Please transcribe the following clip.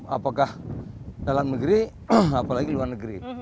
apakah dalam negeri apalagi luar negeri